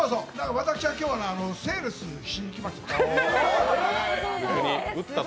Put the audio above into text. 私は今日はセールスしに来ました。